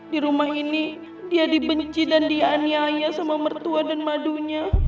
di rumah ini dia dibenci dan dianiaya sama mertua dan madunya